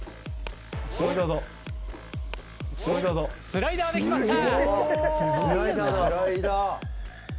スライダーで来ました。